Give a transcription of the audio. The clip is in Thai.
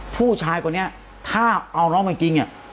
ผู้ชายคนเนี้ยถ้าเอาน้องเปล่าจริงนะ